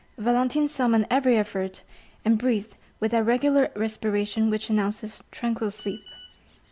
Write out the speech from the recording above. Valentine summoned every effort, and breathed with that regular respiration which announces tranquil sleep.